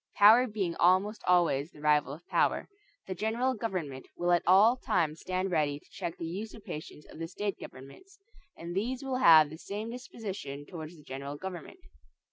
Power being almost always the rival of power, the general government will at all times stand ready to check the usurpations of the state governments, and these will have the same disposition towards the general government.